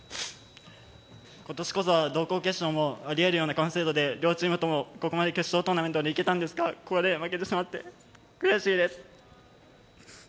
今年こそは同校決勝もありえるような完成度で両チームともここまで決勝トーナメントまで行けたんですがここで負けてしまって悔しいです。